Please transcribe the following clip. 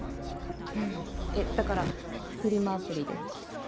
フフいやだからフリマアプリで。